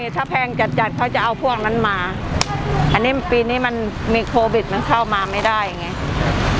ถ้าแพงจัดจัดเขาจะเอาพวกนั้นมาอันนี้ปีนี้มันมีโควิดมันเข้ามาไม่ได้ไง